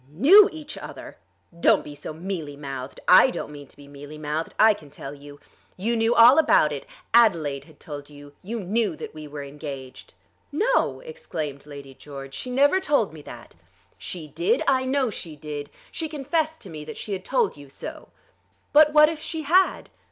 "Knew each other! Don't be so mealy mouthed. I don't mean to be mealy mouthed, I can tell you. You knew all about it. Adelaide had told you. You knew that we were engaged." "No," exclaimed Lady George; "she never told me that." "She did. I know she did. She confessed to me that she had told you so." "But what if she had?"